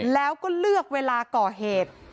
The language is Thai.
แล้วก็เลือกเวลาก่อเหตุ